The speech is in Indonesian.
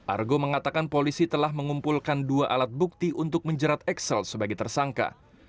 argo mengatakan polisi telah mengumpulkan dua alat bukti untuk menjerat excel sebagai tersangka